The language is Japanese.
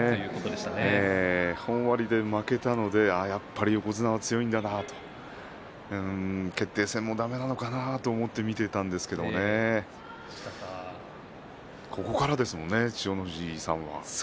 本割で負けたので横綱は強いんだなと思って決定戦もだめなのかなと思って見ていたんですがここからですものね千代の富士さんは。